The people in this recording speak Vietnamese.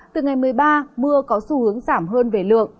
từ ngày một mươi ba mưa có xu hướng giảm hơn về lượng